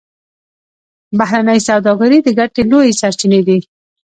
بهرنۍ سوداګري د ګټو لویې سرچینې دي